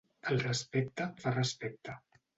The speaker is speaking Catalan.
El respecte fa respecte.